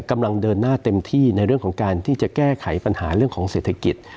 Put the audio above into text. กำลังเดินหน้าเต็มที่ในเรื่องของการที่จะแก้ไขปัญหาเรื่องของเศรษฐกิจ